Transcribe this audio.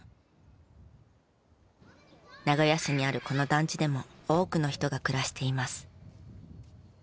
名古屋市にあるこの団地でも多くの人が暮らしています。